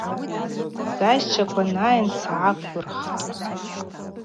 Сайщчваква найын сгӏаквырххтӏ.